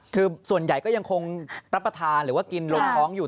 คือส่วนใหญ่ก็ยังคงรับประทานหรือว่ากินลงท้องอยู่